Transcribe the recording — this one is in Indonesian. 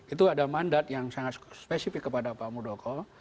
itu ada mandat yang sangat spesifik kepada pak muldoko